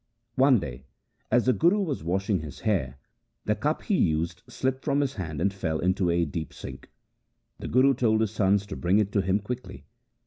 One day, as the Guru was washing his hair, the cup he used slipped from his hand and fell into a deep sink. The Guru told his sons to bring it to him quickly.